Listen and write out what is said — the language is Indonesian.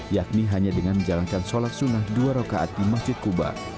yakni hanya dengan menjalankan sholat sunnah dua rokaat di masjid kuba